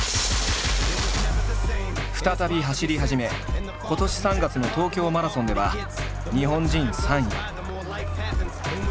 再び走り始め今年３月の東京マラソンでは日本人３位。